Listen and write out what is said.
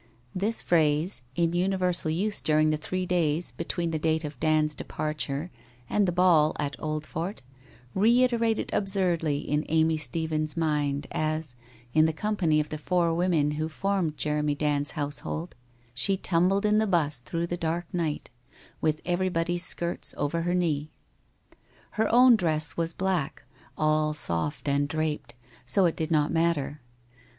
' This phrase, in universal use during the three days be tween the date of Dand's departure and the ball at Old fort, reiterated absurdly in Amy Stephens' mind as, in the company of the four women who formed Jeremy Dand's household, she tumbled in the 'bus through the dark night, with everybody's skirts over her knee. Her own dress was black, all soft and draped, so it did not matter.